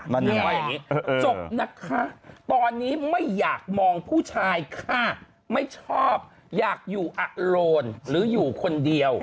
มันยังว่าอย่างนี้จบนะคะตอนนี้ไม่อยากมองผู้ชายค่ะไม่ชอบอยากอยู่อโลนหรืออยู่คนเดียว